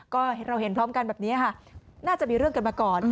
ก็เราเห็นพร้อมกันแบบนี้ค่ะน่าจะมีเรื่องกันมาก่อน